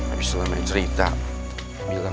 ayo lebih cepet ya